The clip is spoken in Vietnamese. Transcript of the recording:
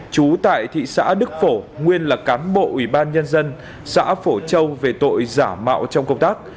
chú tại thị xã đức phổ nguyên là cán bộ ủy ban nhân dân xã phổ châu về tội giả mạo trong công tác